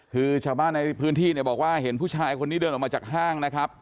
คือชาวบ้านในพื้นที่เนี่ยบอกว่าเห็นผู้ชายคนนี้เดินออกมาจากห้างนะครับ